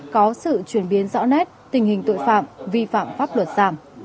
có sự chuyển biến rõ nét tình hình tội phạm vi phạm pháp luật giảm